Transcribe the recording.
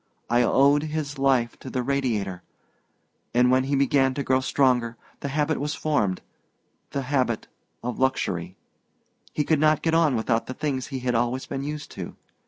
I owed his life to the Radiator. And when he began to grow stronger the habit was formed the habit of luxury. He could not get on without the things he had always been used to.